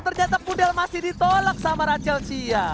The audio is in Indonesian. ternyata pudel masih ditolak sama rachel chia